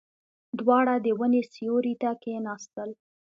دواړه د ونې سيوري ته کېناستل.